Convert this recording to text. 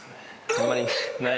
「あんまりない？